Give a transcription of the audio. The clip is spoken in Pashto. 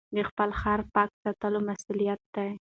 د خپل ښار پاک ساتل مسؤلیت دی.